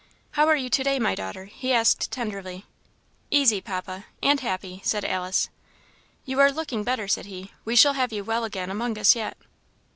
"How are you to day, my daughter?" he asked, tenderly. "Easy, Papa and happy," said Alice. "You are looking better," said he. "We shall have you well again among us yet."